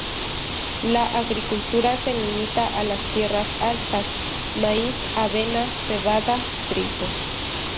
La agricultura se limita a las tierras altas: maíz, avena, cebada, trigo.